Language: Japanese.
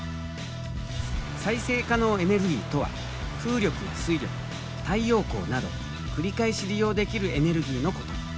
再生可能エネルギーとは風力や水力太陽光など繰り返し利用できるエネルギーのこと。